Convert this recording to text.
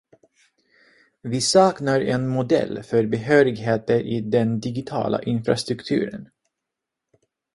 Vi saknar en modell för behörigheter i den digitala infrastrukturen.